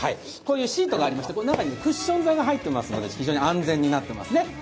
シートがありまして中にクッション材が入ってますので非常に安全になってますね。